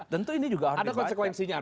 tentu ini juga artinya